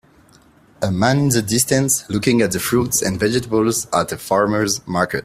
a man in the distance looking at the fruits and vegetables at a farmers market.